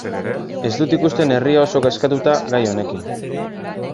Ez dut ikusten herria oso kezkatuta gai honekin.